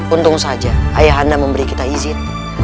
untung saja ayah anda memberi kita izin